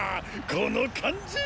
この感じ！